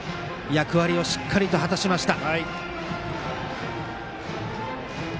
役割をしっかりと果たしました知花。